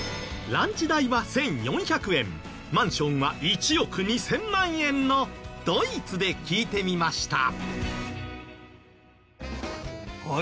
ランチ代は１４００円マンションは１億２０００万円のドイツで聞いてみました。